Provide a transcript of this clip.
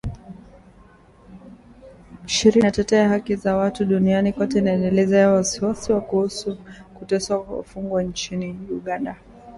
shirika inatetea haki za watu duniani kote inaelezea wasiwasi kuhusu kuteswa wafungwa nchini Uganda.